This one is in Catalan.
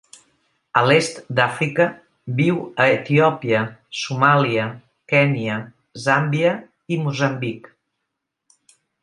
A l'est d'Àfrica, viu a Etiòpia, Somàlia, Kenya, Zàmbia i Moçambic.